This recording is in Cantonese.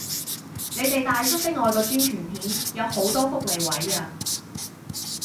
你哋大叔的愛個宣傳片有好多福利位啊